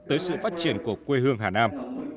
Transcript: tới sự phát triển của quê hương hà nam